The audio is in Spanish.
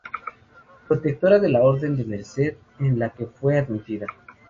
Protectora de la Orden de la Merced, en la que fue admitida.